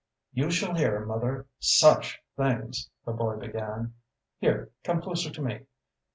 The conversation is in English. "You shall hear, mother SUCH things!" the boy began. "Here, come closer to me.